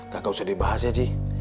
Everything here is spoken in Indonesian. kagak usah dibahas ya ji